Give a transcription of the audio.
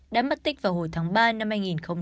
đã mất tích vào hồi tháng ba năm hai nghìn một mươi bốn